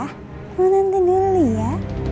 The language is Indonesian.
sama tante dulu ya